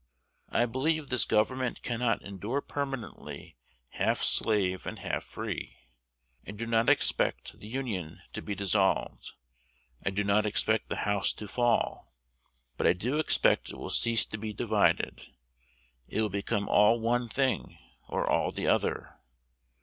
I believe this Government cannot endure permanently half slave and half free. I do not expect the Union to be dissolved, I do not expect the house to fall; but I do expect it will cease to be divided. It will become all one thing, or all the other.